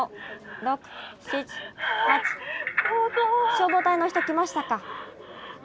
・☎消防隊の人来ましたか？